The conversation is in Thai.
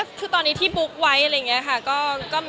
ก็จริงก็คือตอนนี้ที่บุ๊คไว้อะไรอย่างนี้ค่ะ